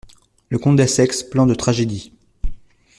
Le Comte d'Essex, plan de tragédie.